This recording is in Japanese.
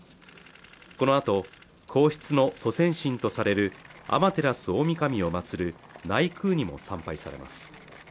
このあと皇室の祖先神とされる天照大御神を祭る内宮にも参拝されます